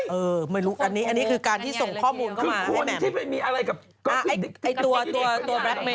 เออไม่รู้อันนี้อันนี้คือการที่ส่งข้อมูลเข้ามาให้แม็มคือคนนี้ที่มีอะไรกับ